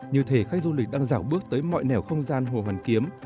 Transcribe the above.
như thể người xem đang rào bước tới mọi nẻo không gian hồ hoàn kiếm